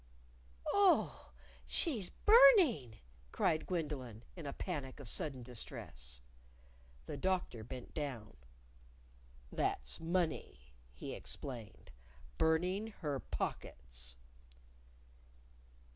"Oh, she's burning!" cried Gwendolyn, in a panic of sudden distress. The Doctor bent down. "That's money," he explained; " burning her pockets."